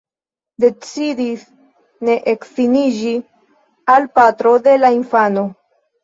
Decidis ne edziniĝi al patro de la infano.